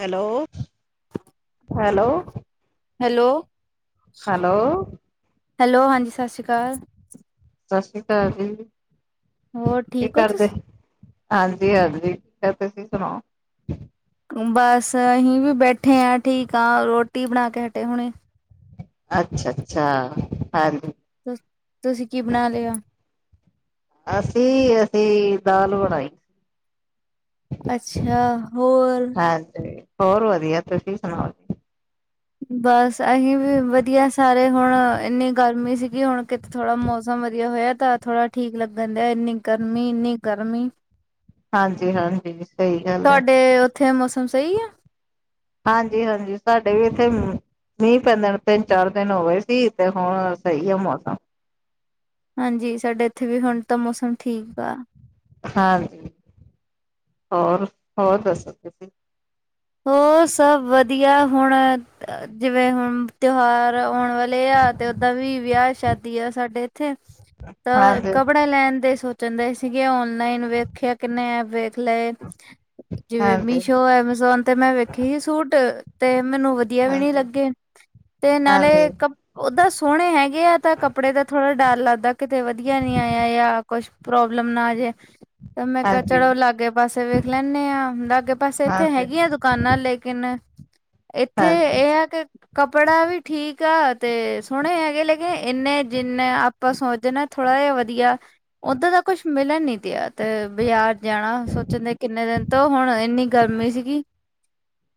Hello hello. Hello. Hello. Hello ਹਾਂਜੀ, ਸਤਿ ਸ਼੍ਰੀ ਅਕਾਲ। ਸਤਿ ਸ਼੍ਰੀ ਅਕਾਲ ਜੀ, ਹੋਰ ਕੀ ਠੀਕ ਹੋ ਕਰਦੇ? ਤੁਸੀਂ? ਹਾਂਜੀ-ਹਾਂਜੀ, ਫੇਰ ਤੁਸੀਂ ਸੁਣਾਓ? ਬਸ ਅਹੀ ਵੀ ਬੈਠੇ ਆ, ਠੀਕ ਆ, ਰੋਟੀ ਬਣਾ ਕੇ ਹਟੇ ਆ ਹੁਣੇ। ਅੱਛਾ-ਅੱਛਾ, ਹਾਂਜੀ। ਤੁਸੀਂ ਕੀ ਬਣਾ ਲਿਆ? ਅਸੀਂ-ਅਸੀਂ ਦਾਲ ਬਣਾਈ ਸੀ। ਅੱਛਾ, ਹੋਰ। ਹਾਂਜੀ, ਹੋਰ ਵਧੀਆ, ਤੁਸੀਂ ਸੁਣਾਓ? ਜੀ ਬਸ ਅਸਹੀ ਵੀ ਵਧੀਆ ਸਾਰੇ ਹੁਣ ਐਨੀ ਗਰਮੀ ਸੀਗੀ ਹੁਣ ਕਿ ਥੋੜਾ ਮੌਸਮ ਵਧੀਆ ਹੋਇਆ ਤਾਂ ਥੋੜਾ ਠੀਕ ਲੱਗਣ ਡਿਆ ਐਨੀ ਗਰਮੀ, ਇੰਨੀ ਗਰਮੀ ਹਾਂਜੀ-ਹਾਂਜੀ, ਸਹੀ ਗੱਲ ਐ। ਉਥੇ ਮੌਸਮ ਸਹੀ ਆ? ਹਾਂਜੀ-ਹਾਂਜੀ, ਸਾਡੇ ਵੀ ਇੱਥੇ ਮੀਂਹ ਪੈਂਦਾ ਨੂੰ ਤਿੰਨ-ਚਾਰ ਦਿਨ ਹੋ ਗਏ ਸੀ ਤੇ ਹੁਣ ਸਹੀ ਆ ਮੌਸਮ। ਹਾਂਜੀ, ਸਾਡੇ ਇੱਥੇ ਵੀ ਹੁਣ ਤਾਂ ਮੌਸਮ ਠੀਕ ਆ। ਹਾਂਜੀ, ਹੋਰ-ਹੋਰ ਦੱਸੋ ਤੁਸ ਹੋਰ ਸਭ ਵਧੀਆ ਹੁਣ ਜਿਵੇਂ ਹੁਣ ਤਿਉਹਾਰ ਆਉਣ ਵਾਲੇ ਆ ਤੇ ਓਦਾ ਵੀ ਵਿਆਹ-ਸ਼ਾਦੀ ਆ ਸਾਡੇ ਇੱਥੇ। ਤਾਂ ਹਾਂਜੀ ਕੱਪੜੇ ਲੈਣ ਦੇ ਸੋਚਣ ਦੇ ਸੀਗੇ ਔਨਲਾਈਨ ਵੇਖਿਆ ਕਿੰਨੇ ਐਪ ਵੇ ਲਏ ਜਿਵੇਂ ਹਾਂਜੀ ਮੀਸ਼ੋ, ਐਮਾਜ਼ੋਨ ਤੇ ਮੈਂ ਵੇਖੀ ਸੂਟ ਤੇ ਮੈਨੂੰ ਵਧੀਆ ਵਧੀਆ ਵੀ ਨੀ ਹਾਂਜੀ ਲੱਗੇ ਤੇ ਨਾਲੇ ਹਾਂਜੀ ਓਦਾਂ ਸੋਹਣੇ ਹੈ। ਯਾ ਕੱਪੜੇ ਤੇ ਥੋੜਾ ਡਰ ਲੱਗਦਾ ਕਿਤੇ ਵਧੀਆ ਨੀ ਆਇਆ ਜਾਂ ਕੁਛ ਪ੍ਰੋਬਲਮ ਨਾ ਆਜੇ। ਤੇ ਮੈਂ ਕਿਹਾ ਹਾਂਜੀ ਚੜੋ ਲਾਗੇ ਪਾਸੇ ਵੇਖ ਲੈਂਣੇ ਆ ਲਾਗੇ ਪਾਸੇ ਇੱਥੇ ਹਾਂਜੀ ਹੈਗੀ ਐਂ ਦੁਕਾਨਾਂ ਲੇਕਿਨ ਇੱਥੇ ਹਾਂਜੀ ਏ ਐ ਕੇ ਕੱਪੜਾ ਵੀ ਠੀਕ ਆ ਤੇ ਸੋਹਣੇ ਹੈਗੇ ਲੇਕਿਨ ਇੰਨੇ ਜਿੰਨੇ ਅਪ ਆਪਾਂ ਸੋਚਦੇ ਨਾ ਥੋੜਾ ਜਿਹਾ ਵਧੀਆ ਉੱਦਾਂ ਦਾ ਕੁਛ ਮਿਲਣ ਨੀ ਦੇਆ ਤੇ ਬਜ਼ਾਰ ਜਾਣਾ ਸੋਚਣ ਦੇ ਕਿੰਨੇ ਦਿਨ ਤੋਂ ਹੁਣ ਇੰਨੀ ਗਰਮੀ ਸੀਗੀ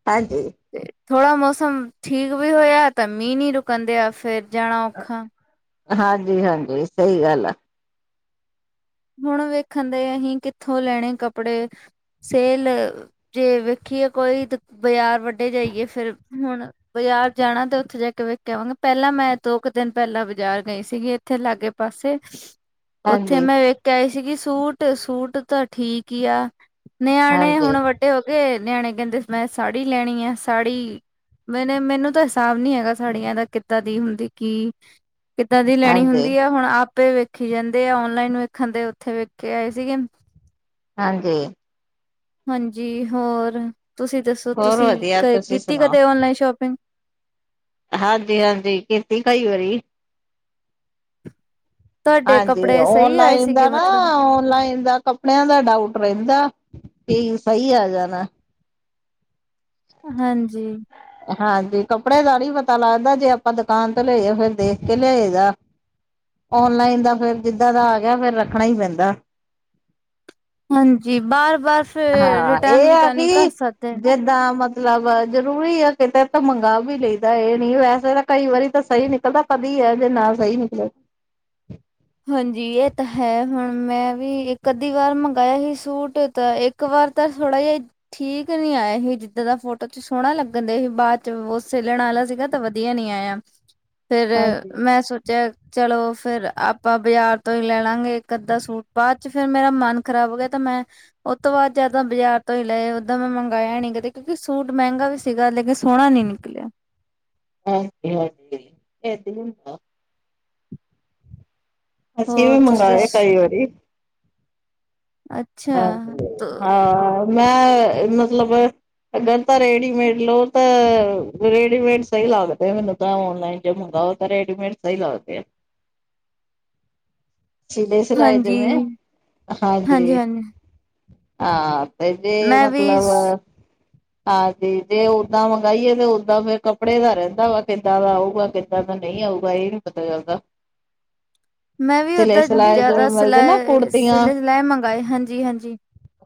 ਹਾਂਜੀ। ਤੇ ਥੋੜ੍ਹਾ ਮੌਸਮ ਠੀਕ ਵੀ ਹੋਇਆ ਤਾਂ ਮੀਂਹ ਨੀ ਰੁਕਣ ਦੇ ਆ ਫੇਰ ਜਾਣਾ ਔਖਾ ਆ ਹਾਂਜੀ ਹਾਂਜੀ ਸਹੀ ਗੱਲ ਆ ਹੁਣ ਵੇਖਣ ਦੇ ਐ ਅਸੀਂ ਕਿੱਥੋਂ ਲੈਣੇ ਕੱਪੜੇ ਸੇਲ ਜੇ ਵੇਖੀਏ ਕੋਈ ਤੇ ਬਾਜ਼ਾਰ ਵੱਡੇ ਜਾਈਏ ਫੇਰ ਹੁਣ ਆ ਬਜ਼ਾਰ ਜਾਣਾ ਤੇ ਉੱਥੇ ਜਾ ਕੇ ਵੇਖ ਕੇ ਆਣਾ ਪਹਿਲਾਂ ਮੈਂ ਦੋ ਕੁ ਦਿਨ ਪਹਿਲਾਂ ਬਾਜ਼ਾਰ ਗਈ ਸੀਗੀ - ਇੱਥੇ ਲਾਗੇ ਪਾਸੇ ਏ ਉੱਥੇ ਹਾਂਜੀ। ਮੈਂ ਵੇਖ ਆਈ ਸੀਗੀ ਸੂਟ ਸੂਟ ਤਾਂ ਠੀਕ ਈ ਆ ਨਿਆਣੇ ਹਾਂਜੀ, ਹੁਣ ਵੱਡੇ ਹੋ ਗਏ ਨਿਆਣੇ ਕਹਿੰਦੇ ਮੈਂ ਸਾੜੀ ਲੈਣੀ ਐ ਸਾੜੀ ਈ ਮੇਰੇ ਮੈਨੂੰ ਤਾਂ ਹਿਸਾਬ ਨੀ ਹੈਗਾ ਸਾੜੀਆਂ ਦਾ ਕਿੱਦਾਂ ਦੀ ਹੁੰਦੀ ਕੀ ਈ ਕਿੱਦਾਂ ਦੀ ਲੈਣੀ ਹਾਂਜੀ, ਹੁੰਦੀ ਆ ਹੁਣ ਆਪੇ ਵੇਖੀ ਜਾਂਦੇ ਆ ਔਨਲਾਈਨ ਵਿਚ ਖਦੇ ਉੱਥੇ ਵੇਖ ਕੇ ਆਏ ਸੀਗੇ ਏ ਹਾਂਜੀ ਹਾਂਜੀ ਹੋਰ ਤੁਸੀਂ ਦੱਸੋ ਹੋਰ ਤੁਸੀਂ ਵਧੀਆ ਕ ਤੁਸੀਂ ਕੀਤੀ ਸੁਣਾਓ? ਕਦੇ ਔਨਲਾਈਨ ਸ਼ੋਪਿੰਗ ਹਾਂਦੀ ਹਾਂਦੀ ਈ ਕਿਤੀ ਕਈ ਵਾਰੀ ਤੁਹਾਡੇ ਹਾਂਜੀ ਕੱਪੜੇ ਸਹੀ ਆਏ ਔਨਲਾਈਨ ਸੀਗੇ ਦਾ ਨਾ ਮਤਲਬ ਔਨਲਾਈਨ ਦਾ ਆ ਕੱਪੜਿਆਂ ਦਾ ਡਾਊਟ ਰਹਿੰਦਾ ਪੀ ਈ ਸਹੀ ਆ ਜਾਣਾ ਐ ਹਾਂਜੀ। ਹਾਂਦੀ ਕੱਪੜੇ ਦਾ ਨੀ ਪਤਾ ਲੱਗਦਾ ਜੇ ਆਪਾਂ ਦੁਕਾਨ ਤੋਂ ਲੈਈ ਏ ਫੇਰ ਦੇਖ ਕੇ ਲਿਆਏ ਦਾ ਔਨਲਾਈਨ ਦਾ ਫੇਰ ਜਿੱਦਾਂ ਦਾ ਆ ਗਿਆ ਫੇਰ ਰੱਖਣਾ ਨਾ ਪੈਂਦਾ ਆ ਹਾਂਜੀ ਬਾਰ ਬਸ ਹਾਂ ਇਹ ਆ ਕਿ ਜੇ ਬ ਤਾ ਮਤਲਬ ਜ਼ਰੂਰੀ ਆ ਕਿਤੇ ਤੇ ਮੰਗਵਾ ਵੀ ਲਈਦਾ ਇਹ ਨਹੀ ਵੈਸੇ ਤਾਂ ਕਈ ਵਾਰੀ ਤਾਂ ਸਹੀ ਨਿਕਲਦਾ ਆ ਕਧੀ ਈ ਐ ਜੇ ਨਾ ਸਹੀ ਨਿਕਲੇ ਏ ਹਾਂਜੀ ਇਹ ਤਾਂ ਹੈ ਹੁਣ ਮੈਂ ਵੀ ਇੱਕ ਅੱਧੀ ਵਾਰ ਮੰਗਇਆ ਹੀ ਸੂਟ ਤਾਂ ਇੱਕ ਇੱਕ ਵਾਰ ਤਾਂ ਥੋੜਾ ਜਿਆ ਈ ਠੀਕ ਨੀ ਆਇਆ ਹੀ ਜਿੱਦਾਂ ਦਾ ਫੋਟੋ ਚ ਸੋਹਣਾ ਲੱਗਣ ਦੇਆਹੀ ਬਾਅਦ ਚ ਬਹੁ ਸੇਲਣਾ ਆਲਾ ਸੀਗਾ ਤਾਂ ਵਧੀਆ ਨੀ ਆਇਆ ਫਿਰ ਹਾਂਜੀ ਮੈਂ ਸੋਚਿਆ ਚਲੋ ਫਿਰ ਆਪ ਆਪਾਂ ਬਾਜ਼ਾਰ ਤੋਂ ਈ ਲੈ ਲਾਂਗੇ ਇੱਕ ਅੱਧਾ ਸੂਟ ਬਾਅਦ ਚ ਫੇਰ ਮੇਰਾ ਮਨ ਖ਼ਰਾਬ ਹੋ ਗਿਆ ਤੇ ਮੈਂ ਉਹ ਤੋਂ ਬਾਅਦ ਜਦ ਬਾਜ਼ਾਰ ਤੋਂ ਹੀ ਲਏ ਓਦਾਂ ਮੈਂ ਮੰਗਾਇਆ ਨੀ ਕਦੇ ਕਿਉਂਕਿ ਸੂਟ ਮਹਿੰਗਾ ਵੀ ਸੀਗਾ ਲੇਕਿਨ ਸੋਹਣਾ ਨੀ ਨਿਕਲਿਆ ਹਾਂਦੀ ਹਾਂਦੀ ਈ ਇਦਾਂ ਇ ਹੁੰਦਾ ਐ ਅਸੀਂ ਇਹ ਹੋਰ ਤੁਸੀਂ ਮੰਗਏ ਦੱਸ ਕਈ ਵਾਰੀ ਈ ਅੱਛਾ। ਹਾਂਜੀ ਤੋ ਹਾਂ ਮੈਂ ਮਤਲਬ ਆ ਅਗਰ ਤਾਂ ਰੇਡੀਮੇਡ ਲਓ ਤਾਂ ਰੇਡੀਮੇਡ ਸਹੀ ਲੱਗਦੇ ਏ ਮੈਨੂੰ ਤਾ ਔਨਲਾਈਨ ਜੇ ਮਗਾਓ ਤਾਂ ਰੇਡੀਮੇਡ ਸਈ ਲਗਦੇ ਏ ਆ ਸਿਲੇ ਸਿਲਾਏ ਹਾਂਜੀ ਜਿਵੇਂ ਹਾਂਜੀ ਹੈ ਨੀ ਈ ਆ ਏਦੇ ਵੀ ਮਤਲਬ ਸ ਆ ਹਾਂਜੀ। ਜੇ ਉਦਾਂ ਮੰਗਾਈਏ ਤੇ ਉਦਾਂ ਫੇਰ ਕੱਪੜੇ ਦਾ ਰਹਿੰਦਾ ਵਾ, ਕਿੱਦਾਂ ਦਾ ਆਊਗਾ? ਕਿੱਦਾਂ ਦਾ ਨਈ ਆਊਗਾ। ਇਹ ਨੀ ਪਤਾ ਚੱਲਦਾ? [inaudible] ਮੈਂ ਵੀ ਸਿਲੇ ਓਦਾਂ ਸਿਲਾਏ ਜ਼ਿਆਦਾ ਜਿਵੇਂ ਸਿਲਾ, ਮਿਲਦੇ ਨਾ ਕੁੜਤੀਆਂ ਸਿਲੇ-ਸਿਲਾਏ ਮੰਗਵਾਏ। ਹਾਂਜੀ-ਹਾਂਜੀ।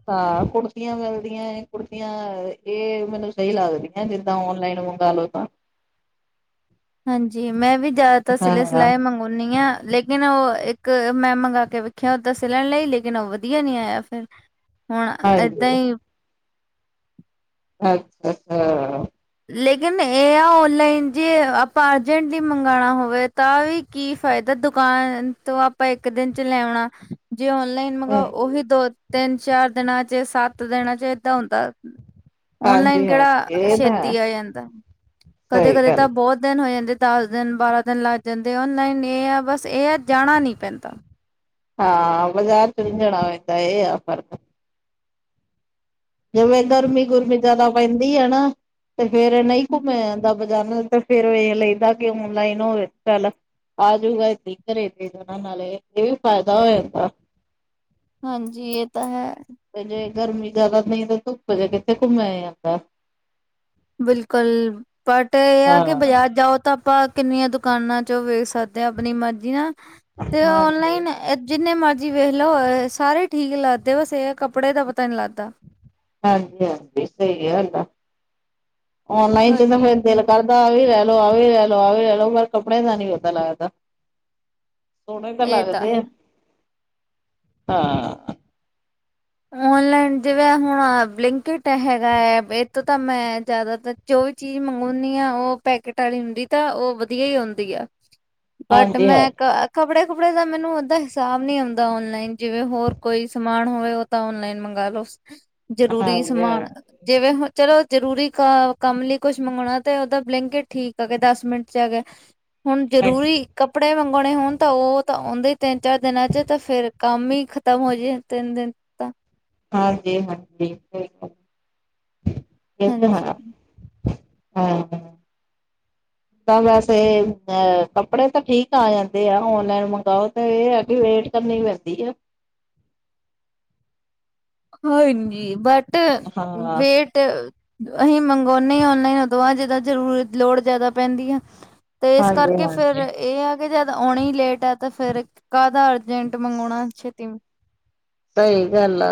ਹਾਂ। ਕੁੁੜਤੀਆਂ ਮਿਲਦੀਆਂ ਐ, ਕੁੁੜਤੀਆਂ ਅਅ ਏ ਮੈਨੂੰ ਸਹੀ ਲੱਗਦੀਆਂ, ਜਿੱਦਾਂ ਔਨਲਾਈਨ ਮੰਗਾਲੋ ਤਾਂ। ਹਾਂਜੀ। ਮੈਂ ਵੀ ਜ਼ਿਆਦਾਤਰ ਹਾਂ ਸਿਲੇ-ਸਿਲਾਏ ਮੰਗ ਹੁੰਨੀ ਆ ਲੇਕਿਨ ਉਹ ਇੱਕ ਮੈਂ ਮੰਗਾ ਕੇ ਵੇਖਿਆ, ਓਦਾਂ ਸਿਲਣ ਲਈ‌ ਲੇਕਿਨ ਉਹ ਵਧੀਆ ਨੀ ਆਇਆ ਫਿਰ। ਹੁਣ ਹਾਂਜੀ ਏਦਾਂ ਈ ਅ-ਅੱਛਾ। ਲੇਕਿਨ ਏ ਆ, ਓਨਲਾਈਨ ਜੇ ਆਪਾਂ ਅਰਜੈਂਟਲੀ ਮੰਗਾਣਾ ਹੋਵੇ ਤਾਂ ਵੀ ਕੀ ਫਾਇਦਾ? ਦੁਕਾਨ ਤੋਂ ਆਪਾਂ ਇੱਕ ਦਿਨ ਚ ਲੈ ਆਉਣਾ। ਜੇ ਔਨਲਾਈਨ ਮੰਗਾਓ, ਉਹੀ ਦੋ ਤਿੰਨ-ਚਾਰ ਦਿਨਾਂ ਚ ਸੱਤ ਦਿਨਾਂ ਚ ਏਦਾਂ ਹੁੰਦਾ। ਓਨਲਾਈਨ ਹਾਂਜੀ ਕਿਹੜਾ ਹਾਂਜੀ ਇਹ ਤਾਂ ਛੇਤੀ ਹੈ ਤੀ ਆ ਜਾਂਦਾ। ਸਹੀ ਕਦੇ-ਕਦੇ ਤਾਂ ਗੱਲ ਬਹੁਤ ਦਿਨ ਹੋ ਜਾਂਦੇ। ਦਸ ਦਿਨ, ਬਾਰਾਂ ਦਿਨ ਲੱਗ ਜਾਂਦੇ ਆ। ਔਨ ਲਾਈਨ ਇਹ ਆ, ਬਸ ਇਹ ਆ ਜਾਣਾ ਨੀ ਪੈਂਦਾ। ਹਾਂ। ਬਾਜ਼ਾਰ ਚ ਨਈ ਜਾਣਾ ਪੈਂਦਾ, ਇਹ ਆ ਫਰਕ। ਜਿਵੇਂ ਗਰਮੀ-ਗੁਰਮੀ ਜਿਆਦਾ ਪੈਂਦੀ ਐ ਨਾ, ਤੇ ਫੇਰ ਨਈ ਘੁੰਮਿਆ ਜਾਂਦਾ। ਬਜ਼ਾਰ ਨਾਲੋਂ ਤਾਂ ਫਿਰ ਵੇਖ ਲਈਦਾ ਕਿ ਆਨਲਾਈਨ ਹੋਜੇ ਚਲ। ਆਜੂਗਾ ਇਦਾਂ ਹੀ ਘਰੇ ਤੇ ਨਾਲੇ ਇਹ ਫਾਇਦਾ ਹੋ ਜਾਂਦਾ। ਹਾਂਜੀ, ਇਹ ਤਾਂ ਹੈ। ਤੇ ਜੇ ਗਰਮੀ ਜਿਆਦਾ ਪਈ ਤੇ ਧੁੱਪ ਚ ਕਿੱਥੇ ਘੁੰਮਿਆ ਜਾਂਦਾ। ਬਿਲਕੁਲ ਬਟ ਏ ਆ ਕਿ ਹਾਂ ਬਾਜਾਰ ਜਾਓ ਤਾਂ ਆਪਾਂ ਕਿੰਨੀਆਂ ਦੁਕਾਨਾਂ ਚੋਂ ਵੇਖ ਸਕਦੇ ਆ ਆਪਣੀ ਮਰਜ਼ੀ ਨਾਲ ਤੇ ਹਾਂਜੀ ਓਨਲਾਈਨ ਏ ਜਿੰਨੇ ਮਰਜ਼ੀ ਵੇਖ ਲਓ ਹੋਏ ਸਾਰੇ ਠੀਕ ਲੱਗਦੇ, ਬਸ ਇਹ ਕੱਪੜੇ ਦਾ ਪਤਾ ਨਹੀਂ ਲੱਗਦਾ। ਹਾਂਜੀ-ਹਾਂਜੀ। ਸਹੀ ਗੱਲ ਆ। ਓਨਲਾਈਨ ਚ ਤਾਂ ਫਿਰ ਹਾਂਜੀ ਦਿਲ ਕਰਦਾ ਆ ਵੀ ਲੈ ਲਓ, ਆ ਵੀ ਲੈ ਲਓ, ਆ ਵੀ ਲੈ ਲਓ, ਪਰ ਕੱਪੜੇ ਦਾ ਨਈ ਪਤਾ ਲੱਗਦਾ। ਸੋਹਣੇ ਤਾਂ ਇਹ ਲੱਗਦੇ ਐ‌। ਹੈ। ਹਾਂ। ਔਨਲਾਈਨ ਜਿਵੇਂ ਹੁਣ ਬਲਿੰਕ ਇਟ ਹੈਗਾ ਏ, ਇਹ ਤੋਂ ਤਾਂ ਮੈਂ ਜ਼ਿਆਦਾ ਤਾਂ ਜੋ ਵੀ ਚੀਜ਼ ਮੰਗਾਉਨੀ ਆ, ਉਹ ਪੈਕੇਟ ਆਲੀ ਹੁੰਦੀ ਤਾਂ ਉਹ ਵਧੀਆ ਆਉਂਦੀ ਆ। ਬਟ ਹਾਂਜੀ ਹਾਂ ਮੈਂ ਕਾ ਕੱਪੜੇ-ਕੁੱਪੜੇ ਦਾ ਮੈਨੂੰ ਓਦਦਾ ਹਿਸਾਬ ਨਹੀ ਆਉਂਦਾ ਔਨਲਾਈਨ, ਜਿਵੇਂ ਹੋਰ ਕੋਈ ਸਮਾਨ ਹੋਵੇ ਓ ਤਾਂ ਔਨਲਾਈਨ ਮੰਗਾਲੋੋ। ਜਰੂਰੀ ਹਾਂਜੀ ਸਮਾਨ ਜਿਵੇਂ ਹੁਣ ਚਲੋ ਜਰੂਰੀ ਕ ਕੰਮ ਲਈ ਕੁਝ ਮੰਗੋਣਾ ਤੇ ਉਦਾਂ ਬਲਿੰਕ ਇਟ ਠੀਕ ਆ ਕਿ ਦਸ ਮਿੰਟ ਚ ਆ ਗਿਆ। ਹੁਣ ਜਰੂਰੀ ਹਾਂਜੀ ਕੱਪੜੇ ਮੰਗਵਾਉਣੇ ਹੋਣ ਤਾਂ ਓ ਤਾਂ ਆਉਂਦੇ ਈ ਤਿੰਨ-ਚਾਰ ਦਿਨਾਂ ਚ ਤਾਂ ਫਿਰ ਕੰਮ ਹੀ ਖਤਮ ਹੋ ਜਾਏ ਤਿੰਨ ਦਿਨ ਤਾਂ ਹਾਂਜੀ-ਹਾਂਜੀ। ਬਿਲਕੁਲ ਇਹ ਤੇ ਹਾਂਜੀ ਹੈ। ਹਾਂ। [inaudible] ਤਾਂ ਵੈਸੇ ਅ ਕੱਪੜੇ ਤਾਂ ਠੀਕ ਆ ਜਾਂਦੇ ਆ ਔਨਲਾਈਨ ਮੰਗਾਓ ਤੇ ਇਹ ਆ ਕੀ ਵੇਟ ਕਰਨੀ ਪੈਂਦੀ ਐ। ਹਾਂਜੀ। ਬਟ ਹਾਂ ਵੇਟ ਅਸੀਂ ਮੰਗ ਵਾਉਨੇ ਔਨਲਾਈਨ ਉਦੋਂ ਜਿੱਦਾਂ ਜ਼ਰੂਰ ਲੋੜ ਜਿਆਦਾ ਪੈਂਦੀ ਐ। ਤੇ ਇਸ ਹਾਂਜੀ ਕਰਕੇ ਫਿਰ ਹਾਂਜੀ ਇਹ ਹੈ ਕਿ ਜਦ ਆਉਣੇ ਹਨ ਲੇਟ ਤਾਂ-ਤਾਂ ਫਿਰ ਕਾਹਦਾ ਅਰਜੈਂਟ ਮੰਗਾਉਣਾ ਛੇਤੀ ਸਹੀ ਗੱਲ ਹੈ,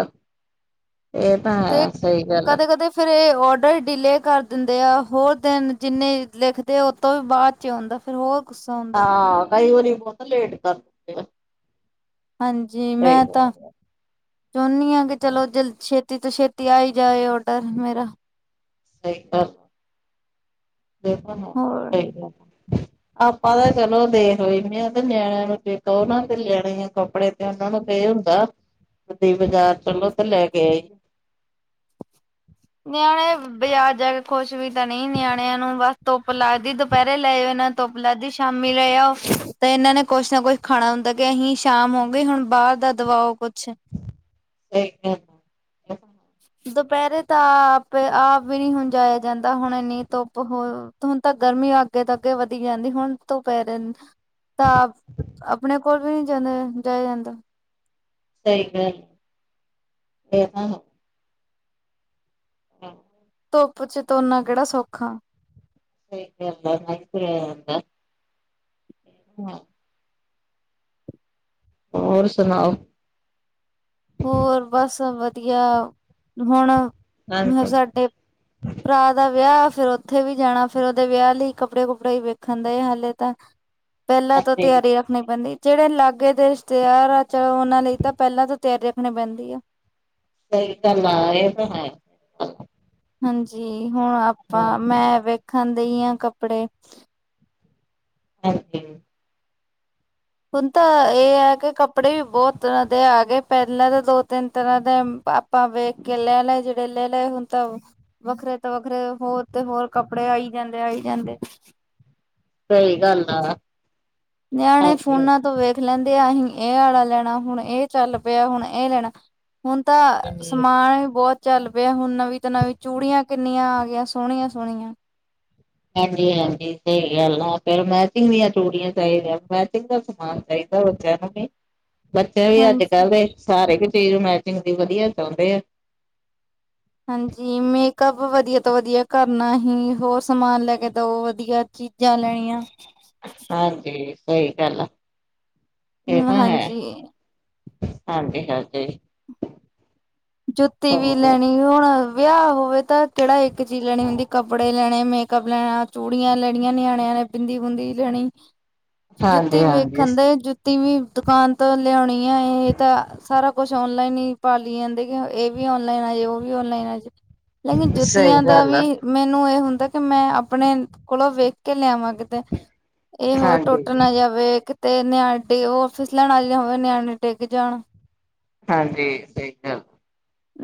ਇਹ ਤੇ ਹੈ ਸਹੀ ਗੱਲ ਆ। ਕਦੇ ਕਦੇ ਫੇਰ ਇਹ ਔਡਰ ਡਿਲੇਅ ਕਰ ਦਿੰਦੇ ਆ, ਹੋਰ ਦਿਨ ਜਿੰਨੇ ਲਿਖਦੇ ਆ ਉਹ ਤੋਂ ਵੀ ਬਾਅਦ 'ਚ ਆਉਂਦਾ। ਫੇਰ ਹੋਰ ਗੁੱਸਾ ਹੁੰਦਾ ਹਾਂ ਕਈ ਵਾਰੀ ਬਹੁਤ ਲੇਟ ਕਰ ਦਿੰਦੇ ਆ। ਹਾਂਜੀ, ਸਹੀ ਮੈਂ ਤਾਂ, ਗੱਲ ਆ ਚਾਹੁੰਦੀ ਹਾਂ ਕਿ ਚਲੋ ਜਲਦੀ ਛੇ ਛੇਤੀ ਤੋਂ ਛੇਤੀ ਆਈ ਜਾਏ ਔਡਰ ਮੇਰਾ ਸਈ ਗੱਲ ਆ, ਇਹ ਤੇ ਹੈ, ਹੋਰ ਸਹੀ ਗੱਲ ਆਪਾਂ ਤਾਂ ਚਲੋ ਦੇਖ ਲੈਂਦੇ ਆ, ਤੇ ਨਿਆਣਿਆਂ ਨੂੰ ਕਹੋ ਨਾ ਤੇ ਨਿਆਣਿਆਂ ਨੂੰ ਕੱਪੜੇ ਉਹਨਾਂ ਨੂੰ ਤੇ ਇਹ ਹੁੰਦਾ ਤੇ ਤੁਸੀ ਬਾਜ਼ਾਰ ਚਲੋ ਤੇ ਲੈ ਕੇ ਆਈਏ ਨਿਆਣੇ ਬਜਾਰ ਜਾ ਕੇ ਖੁਸ਼ ਵੀ ਤਾਂ ਨਹੀਂ, ਨਿਆਣਿਆਂ ਨੂੰ ਬਸ ਧੁੱਪ ਲੱਗਦੀ ਦੁਪਹਿਰੇ ਲੈ ਜਾ ਨ ਧੁੱਪ ਲੱਗਦੀ ਸ਼ਾਮੀ ਲੇ ਆਓ, ਤੇ ਇਹਨਾਂ ਨੇ ਕੁਛ ਨਾ ਕੁਛ ਖਾਣਾ ਹੁੰਦਾ ਕਿ ਅਸੀਂ ਸ਼ਾਮ ਹੋ ਗਈ ਹੁਣ ਬਾਹਰ ਦਾ ਦਵਾਓ ਕੁਛ। ਇਕ ਦੁਪਹਿਰੇ ਤਾਂ ਆਪ, ਆਪ ਵੀ ਨੀ ਹੁਣ ਜਾਇਆ ਜਾਂਦਾ ਹੁਣ ਇੰਨੀ ਧੁੱਪ ਹੋ ਹੁਣ ਤਾਂ ਗਰਮੀ ਅੱਗੇ ਤੱਕ ਅੱਗੇ ਵਧੀ ਜਾਂਦੀ, ਹੁਣ ਦੁਪਹਿਰੇ ਨਾ ਤਾਪ, ਆਪਣੇ ਕੋਲ ਵੀ ਨਹੀ ਜਾਂਦਾ ਜਾਇਆ ਜਾਂਦਾ। ਸਈ ਗੱਲ ਤੇ ਨਾ ਹਾਂ ਧੁੱਪ 'ਚ ਤੁਰਨਾ ਕਿਹੜਾ ਸੌਖਾ ਠੀਕ ਕਹਿੰਦੇ ਮਾਈਕਰੇਨ ਔਰ ਸੁਣਾਓ। ਹੋਰ ਬਸ ਵਧੀਆ, ਹੁਣ ਹਾਂਜੀ ਸਾਡੇ ਭਰਾ ਦਾ ਵਿਆਹ, ਫਿਰ ਉੱਥੇ ਵੀ ਜਾਣਾ, ਫੇਰ ਉਹਦੇ ਵਿਆਹ ਲਈ ਕੱਪੜੇ-ਕੁੱਪੜੇ ਵੀ ਵੇਖਣ ਦਏ ਆਂ ਹਲੇ ਤਾਂ। ਪਹਿਲਾਂ ਤੋਂ ਹਾਂਜੀ ਤਿਆਰੀਆ ਮੈਂ ਕਹਿੰਦੀ, ਜਿਹੜੇ ਲਾਗੇ ਦੇ ਰਿਸ਼ਤੇਦਾਰ ਆ ਚਲੋ ਉਹਨਾਂ ਲਈ ਤਾਂ ਪਹਿਲਾਂ ਤੋਂ ਤਿਆਰੀ ਰੱਖਣੀ ਪੈਂਦੀ ਆ। ਸਹੀ ਗੱਲ ਹੈ, ਇਹ ਤੇ ਹੈ। ਹਾਂਜੀ ਹੁਣ ਆਪਾਂ, ਹਾਂਜੀ ਮੈਂ ਵੇਖਣ ਦੇਈ ਆਂ ਕੱਪੜੇ। ਹਾਂਜੀ। ਹੁਣ ਤਾਂ ਇਹ ਐ ਕਿ ਕਪ ਕੱਪੜੇ ਵੀ ਬਹੁਤ ਤਰ੍ਹਾਂ ਦੇ ਆ ਗਏ, ਪਹਿਲਾਂ ਤਾਂ ਦੋ-ਤਿੰਨ ਤਰ੍ਹਾਂ ਦੇ ਮ, ਆਪਾਂ ਵੇਖ ਕੇ ਲੈ ਲਏ ਜਿਹੜੇ ਲੈ ਲਏ ਹੁਨ ਤਾਂ ਵੱਖਰੇ ਤੋਂ ਵੱਖਰੇ, ਹੋਰ ਤੇ ਹੋਰ ਕੱਪੜੇ ਆਈ ਜਾਂਦੇ-ਆਈ ਜਾਂਦੇ। ਸਹੀ ਗੱਲ ਆ ਨਿਆਣੇ ਹਾਂਜੀ ਫੋਨਾਂ ਤੋਂ ਵੇਖ ਦੇਖ ਲੈਂਦੇ ਆ, ਅਸੀਂ ਇਹ ਆਲਾ ਲੈਣਾ, ਹੁਣ ਇਹ ਚੱਲ ਪਿਆ ਹੁਣ ਇਹ ਲੈਣਾ। ਹੁਣ ਤਾਂ, ਹਾਂਜੀ ਸਮਾਨ ਈ ਬਹੁਤ ਚੱਲ ਪਿਆ ਹੁਣ ਨਵੀਂ ਤੋਂ ਨਵੀਂ ਚੂੜੀਆਂ ਕਿੰਨੀਆਂ ਆ ਗਈਆ, ਸੋਹਣੀਆਂ-ਸੋਹਣੀਆਂ। ਹਾਂਜੀ-ਹਾਂਜੀ ਸਹੀ ਗੱਲ ਆ, ਫਿਰ ਮੈਚਿੰਗ ਦੀਆਂ ਚੂੜੀਆਂ ਚਾਹੀਦੀਆਂ, ਮੈਚਿੰਗ ਦਾ ਸਮਾਨ। ਚਾਈਦਾ ਬੱਚਿਆ ਨੂੰ ਵੀ। ਬੱਚੇ ਵੀ ਹਾਂਜੀ ਅੱਜ-ਕੱਲ ਦੇ, ਸਾਰੇ ਇੱਕ ਚੀਜ਼ ਮੈਚਿੰਗ ਦੀ ਵਧੀਆ ਚਾਹੁੰਦੇ। ਹਾਂਜੀ, ਮੇਕਅੱਪ ਵਧੀਆ ਤੋਂ ਵਧੀਆ ਕਰਨਾ ਹੀ, ਹੋਰ ਸਮਾਨ ਲੈ ਕੇ ਦਓ ਵਧੀਆ। ਚੀਜ਼ਾਂ ਲੈਣੀਆ। ਹਾਂਜੀ, ਸਹੀ ਗੱਲ ਹੈ, ਇਹ ਨਾ ਹਾਂਜੀ ਹਾਂਜੀ-ਹਾਂਜੀ। ਜੁੱਤੀ ਵੀ ਲੈਣੀ ਹੁਣ ਵਿਆਹ ਹੋਵੇ ਤਾਂ ਕੇੜਾ ਇੱਕ ਚੀਜ਼ ਲੈਣੀ ਹੁੰਦੀ ਕੱਪੜੇ ਲੈ ਣੇ, ਮੇਕਅੱਪ ਲੈਣਾ, ਚੂੜੀਆਂ ਲੈਣੀਆਂ, ਨਿਆਣਿਆਂ ਨੇ ਬਿੰਦੀ-ਬੂੰਦੀ ਲੈਣੀ ਹਾਂਜੀ ਜੁੱਤੀ ਹਾਂਜੀ ਵੇਖਣ ਦਏ ਜੁੱ ਤੀ ਵੀ ਦੁਕਾਨ ਤੋਂ ਲਿਓਣੀ ਆ ਏ ਤਾਂ, ਸਾਰਾ ਕੁਛ ਔਨਲਾਈਨ ਈ ਭਾਲੀ ਜਾਂਦੇ। ਏ ਵੀ ਔਨਲਾਈਨ ਆਜੇ ਓਵੀ ਔਨਲਾਈਨ ਆਜੇ ਲੇਕਿਨ ਸਹੀ ਜੁੱਤੀਆਂ ਦਾ ਗੱਲ ਵੀ ਆ ਮੈਨੂੰ ਏ ਹੁੰਦਾ ਕੀ ਮੈਂ ਆਪਣੇ ਕੋਲੋਂ ਵੇਖ ਕੇ ਲਿਆਵਾਂ ਕਿਤੇ। ਏ ਹੋ ਟੁੱਟ ਹਾਂਜੀ ਨਾਂ ਜਾਵੇ ਕਿਤੇ ਨਿਆ-ਡੀ ਓ ਫਿਸਲਣ ਵਾਲੀ ਨਾਂ ਹੋਵੇ, ਨਿਆਣੇ ਨਾਂ ਡਿੱਗ ਜਾਣ। ਹਾਂਜੀ, ਠੀਕ ਆ।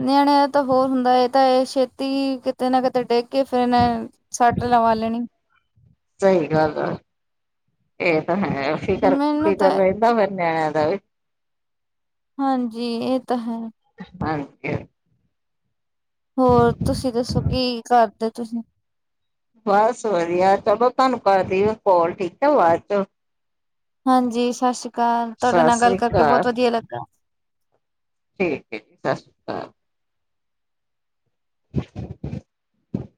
ਨਿਆਣਿਆਂ ਤਾਂ ਹੋਰ ਹੁੰਦਾ ਏ-ਏ ਤਾਂ ਏ ਛੇਤੀ ਕਿਤੇ ਨਾ ਕਿਤੇ ਡਿੱ ਕੇ ਫੇਰ [unintelligible] ਸੱਟ ਲਵਾ ਲੈਣੀ। ਸਈ ਗੱਲ ਆ। ਏ ਤਾਂ ਹੈ ਮੈਨੂੰ ਫਿਕਰ-ਫਿਕਰ ਤਾਂ ਰੈਂਦਾ ਫੇਰ ਨਿਆਣਿਆਂ ਦਾ ਵੀ। ਹਾਂਜੀ, ਏ ਤਾਂ ਹੈ। [unintelligible] ਹੋਰ, ਤੁਸੀਂ ਦੱਸੋ ਕੀ ਕਰਦੇ ਤੁਸੀਂ? ਬਸ ਵਧੀਆ ਚਲੋ ਤੁਹਾਨੂੰ ਕਰਦੀ ਆ ਕੋਲ ਠੀਕ ਆ ਬਾਦ ਚ। ਹਾਂਜੀ ਸਸ ਸ੍ਰੀ ਕਾਲ ਤੁਹਾਡੇ ਸਤਿ ਨਾਲ ਗੱਲ ਸ੍ਰੀ ਕਰਕੇ ਅਕਾਲ ਬੋਤ ਵਧੀਆ ਲੱਗਾ। ਠੀਕ ਏ ਸਸ [unintelligible]